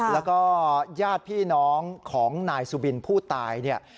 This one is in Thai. แล้วก็ยาดพี่น้องของนายสุบินผู้ตาย